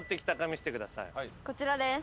こちらです。